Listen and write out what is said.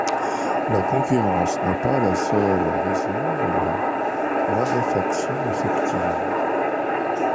La concurrence n'est pas la seule raison de leur raréfaction effective.